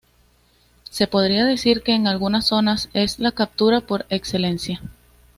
Se podría decir que en algunas zonas es la captura por excelencia.